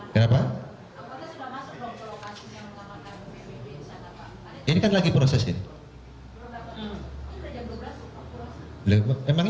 pak apakah itu kejadian sebelumnya